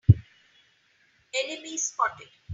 Enemy spotted!